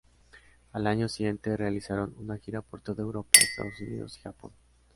Al año siguiente, realizaron una gira por toda Europa, Estados Unidos y Japón.